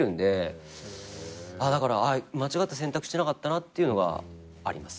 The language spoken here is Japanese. だからあっ間違った選択してなかったなっていうのがあります。